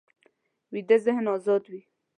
ویده ذهن ازاد وي